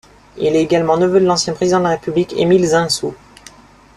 Il est également neveu de l'ancien président de la République, Émile Zinsou.